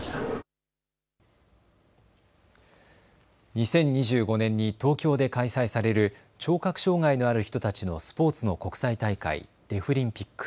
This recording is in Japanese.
２０２５年に東京で開催される聴覚障害のある人たちのスポーツの国際大会、デフリンピック。